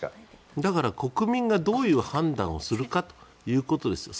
だから、国民がどういう判断をするかということですよ。